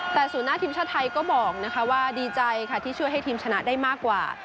แต่ศูนย์หน้าทีมชาติไทยก็บอกว่าดีใจค่ะที่ช่วยให้ทีมชนะได้มากกว่า